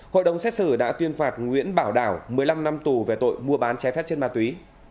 hội đồng xét xử đã tuyên phạt nguyễn bảo đảo một mươi năm năm tù về tội mua bán trái phép chất ma túy